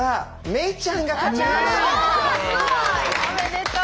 おめでとう。